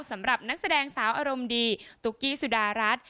สำหรับนักแสดงสาวอารมณ์ดีตุ๊กกี้สุดารัฐ